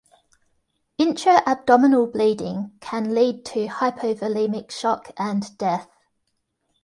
Intra-abdominal bleeding can lead to hypovolemic shock and death.